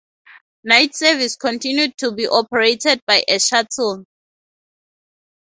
Night service continued to be operated by a shuttle.